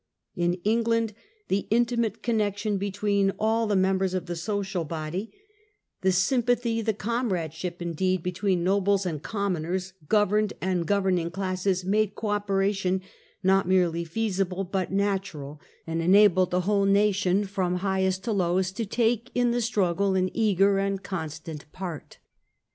In England the intimate connection between all the members of the social body, the sym pathy — the comradeship indeed — between nobles and commoners, governed and governing classes, made co operation not merely feasible but natural, and enabled the whole nation from highest to lowest to take in the struggle an eager and a constant part.